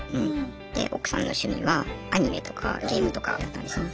で奥さんの趣味はアニメとかゲームとかだったんですね。